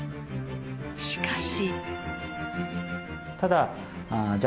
しかし。